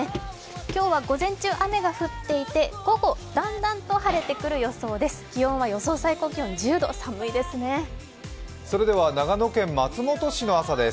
今日は午前中、雨が降っていて午後、だんだんと晴れてくる予想です。